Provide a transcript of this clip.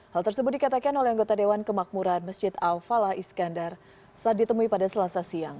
hal tersebut dikatakan oleh anggota dewan kemakmuran masjid al falah iskandar saat ditemui pada selasa siang